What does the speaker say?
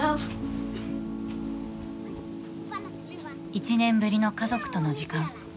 １年ぶりの家族との時間。